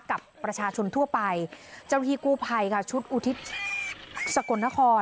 กับประชาชนทั่วไปเจ้าที่กู้ภัยค่ะชุดอุทิศสกลนคร